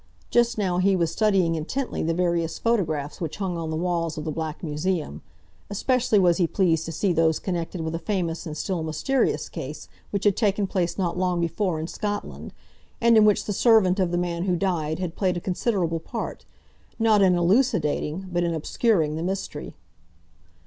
Just now he was studying intently the various photographs which hung on the walls of the Black Museum; especially was he pleased to see those connected with a famous and still mysterious case which had taken place not long before in Scotland, and in which the servant of the man who died had played a considerable part—not in elucidating, but in obscuring, the mystery.